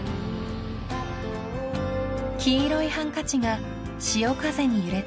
［黄色いハンカチが潮風に揺れている］